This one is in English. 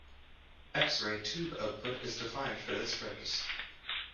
X-ray tube output is defined for this purpose.